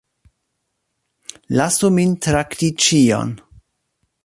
Lasu min trakti ĉion.